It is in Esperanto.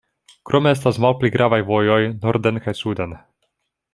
Krome estas malpli gravaj vojoj norden kaj suden.